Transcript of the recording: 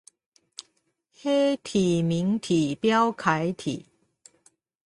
黑體明體標楷體